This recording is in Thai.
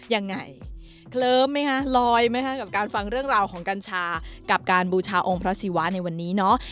ยังไงเคลิ้มไหมคะลอยไหมคะกับการฟังเรื่องราวของกัญชากับการบูชาองค์พระศิวะในวันนี้เนาะ